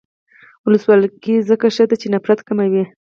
ولسواکي ځکه ښه ده چې نفرت کموي.